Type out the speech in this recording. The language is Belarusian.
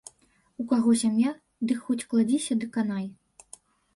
У каго сям'я, дык хоць кладзіся ды канай.